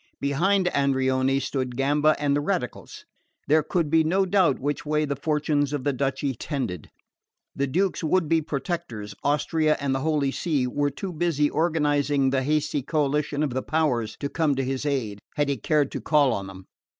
Behind Andreoni stood Gamba and the radicals. There could be no doubt which way the fortunes of the duchy tended. The Duke's would be protectors, Austria and the Holy See, were too busy organising the hasty coalition of the powers to come to his aid, had he cared to call on them.